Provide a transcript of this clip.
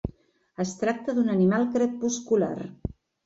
Es tracta d'un animal crepuscular.